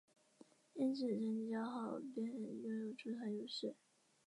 因此成绩较好便拥有主场优势。